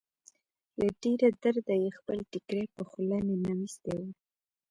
له ډېره درده يې خپل ټيکری په خوله ننوېستی و.